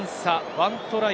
１トライ